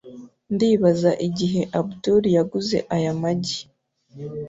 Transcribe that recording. Ndibaza igihe Abdul yaguze aya magi.